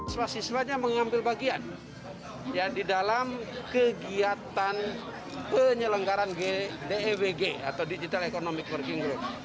swasiswanya mengambil bagian yang di dalam kegiatan penyelenggaran dewg atau digital economic working group